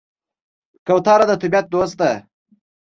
کوتره د طبیعت دوست ده.